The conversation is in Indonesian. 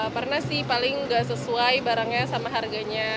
pernah sih paling nggak sesuai barangnya sama harganya